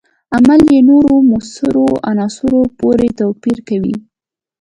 عمل یې نورو موثرو عناصرو پورې توپیر کوي.